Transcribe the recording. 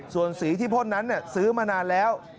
ส่วนสีที่พ่นนั้นซื้อมานานแล้ว